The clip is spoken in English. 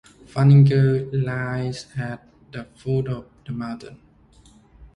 Funningur lies at the foot of the mountain.